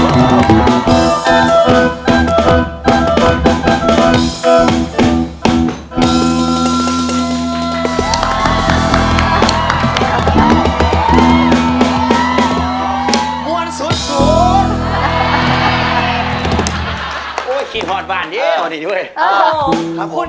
คุณนี่ได้ยินไม่ได้เลยใช่ปะคุณแฮ็คนะ